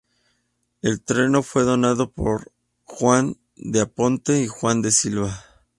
El terreno fue donado por Juan de Aponte y Juan de Silva.